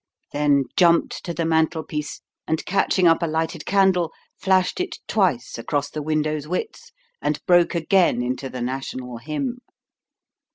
Then jumped to the mantelpiece, and catching up a lighted candle, flashed it twice across the window's width, and broke again into the national hymn.